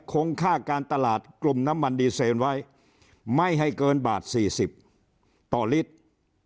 ช่องค่าการตลาดกลุ่มน้ำมันดีเซลลใว้ไม่ให้เกินบาตร๔๐ต่อฤจภัณฑ์